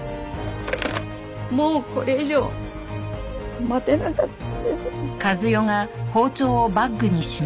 もうこれ以上待てなかったんです。